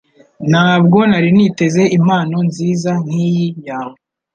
Ntabwo nari niteze impano nziza nkiyi yawe